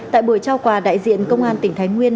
tại buổi trao quà đại diện công an tỉnh thái nguyên